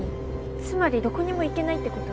つまりどこにも行けないってこと？